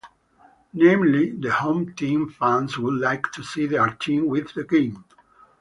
Namely, the home team fans would like to see their team win the game.